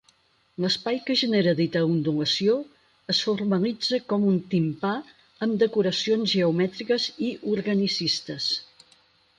L'espai que genera dita ondulació es formalitza com un timpà amb decoracions geomètriques i organicistes.